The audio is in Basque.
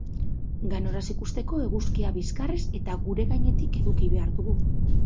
Ganoraz ikusteko, eguzkia bizkarrez eta gure gainetik eduki behar dugu.